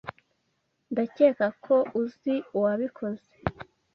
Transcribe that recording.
Ndakeka ko uzi uwabikoze.